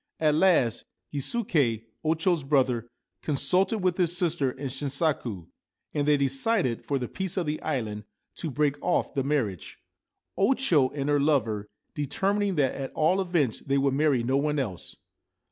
At last Gisuke, O Cho's brother, consulted with his sister and Shinsaku ; and they decided, for the peace of the island, to break 164 Sagami Bay off the marriage, O Cho and her lover determining that at all events they would marry no one else.